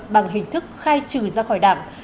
bằng hình thức khai trừ ra khỏi đảng